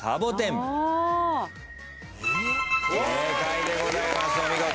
正解でございますお見事！